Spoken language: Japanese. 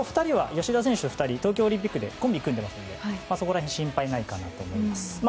吉田選手と板倉選手は東京オリンピックでコンビを組んでいますのでそこは心配ないかなと思います。